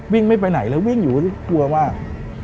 วิ่งไม่ไปไหนแล้ววิ่งอยู่กลัวว่า